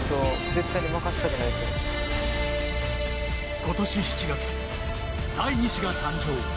今年７月、第２子が誕生。